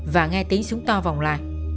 và nghe tiếng súng to vòng lại